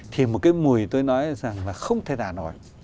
thì một cái mùi tôi nói là không thể đả nổi